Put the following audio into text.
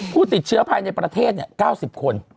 ผู้ติดเชื้อภายในประเทศ๙๐คน